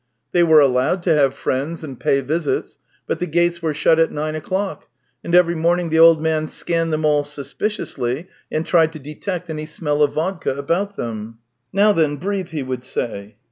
They were allowed to have friends and pa}' visits, but the gates were shut at nine o'clock, and every morning the old man scanned them all suspiciously, and tried to detect any smell of vodka about them: " Now then, breathe," he would say.